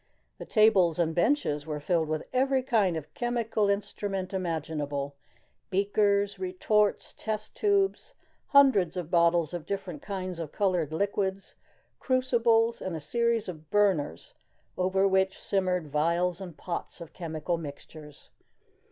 The tables and benches were filled with every kind of chemical instrument imaginable beakers, retorts, test tubes, hundreds of bottles of different kinds of colored liquids, crucibles, and a series of burners over which simmered vials and pots of chemical mixtures.